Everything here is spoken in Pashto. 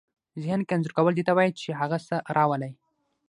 ذهن کې انځور کول دې ته وايي چې هغه څه راولئ.